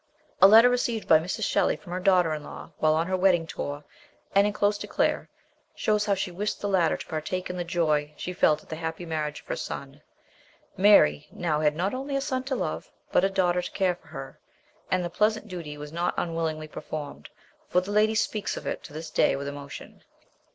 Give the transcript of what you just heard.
A letter received by Mrs. Shelley from her daughter in law while on her wedding tour, and enclosed to Claire, shows how she wished the latter to partake in the joy she felt at the happy marriage of her son. Mary now had not only a son to love, but a daughter to care for her, and the pleasant duty was not unwillingly performed, for the lady speaks of her to this day with emotion.